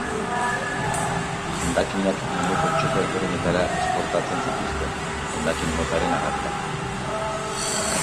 Hondakinak munduko txoko ezberdinetara esportatzen zituzten, hondakin motaren arabera.